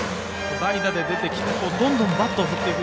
代打で出てきてどんどんバットを振っていく。